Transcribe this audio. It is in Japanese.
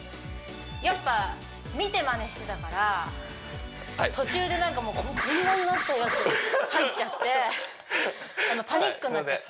やっぱ見てまねしてたからはい途中でなんかもうこんなんなってるのが入っちゃってパニックになっちゃったんすよ